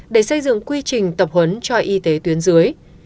để xây dựng quy trình tập huấn cho y tế tuyến dưới